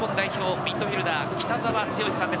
ミッドフィルダー・北澤豪さんです。